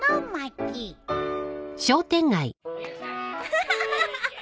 ハハハハ。